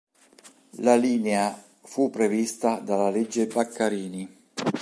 La linea fu prevista dalla legge Baccarini.